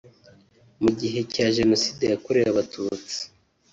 mu gihe cya Jenoside yakorewe Abatutsi